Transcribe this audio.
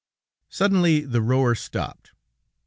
Suddenly the rower stopped.